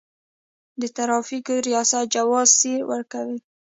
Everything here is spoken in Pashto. د ترافیکو ریاست جواز سیر ورکوي